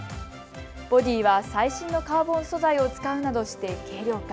ボディーは最新のカーボン素材を使うなどして軽量化。